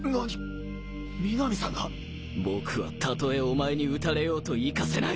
たとえお前に撃たれようと行かせない！